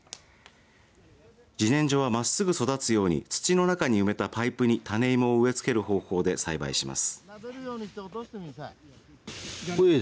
じねんじょはまっすぐ育つように土の中に埋めたパイプに種芋を植え付ける方法で栽培します。